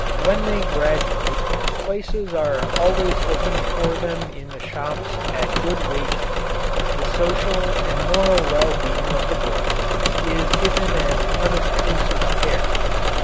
When they graduate, places are always open for them in the shops at good wages. The social and moral well being of the boys is given an unobtrusive care.